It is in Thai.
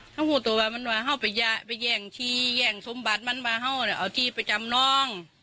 เฮ่าหัวตัวมามันมาเฮ่าไปแย่งที่แย่งสมบัติมันมาเฮ่าเนี่ยเอาที่ไปจำนอง